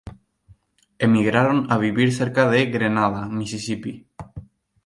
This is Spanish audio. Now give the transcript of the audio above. Emigraron a vivir cerca de Grenada, Mississipi.